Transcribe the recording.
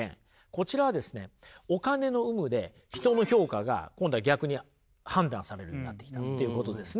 こちらはですねお金の有無で人の評価が今度は逆に判断されるようになってきたということですね。